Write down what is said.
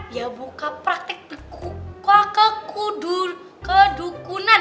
ya buka praktek beku kedukunan